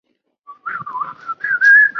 这个规则对于勋位及赠位也同样适用。